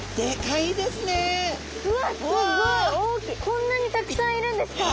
こんなにたくさんいるんですか？